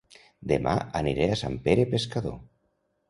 Dema aniré a Sant Pere Pescador